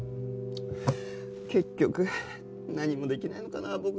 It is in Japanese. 結局何もできないのかなあ